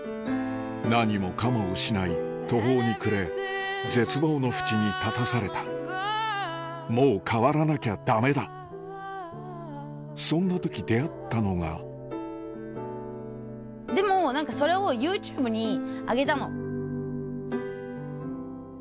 何もかも失い途方に暮れ絶望の淵に立たされたもう変わらなきゃダメだそんな時出会ったのがでもそれをＹｏｕＴｕｂｅにあげたの。